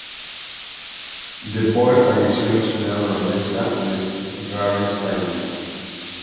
De Boer falleció en la ciudad holandesa de 's-Gravenzande.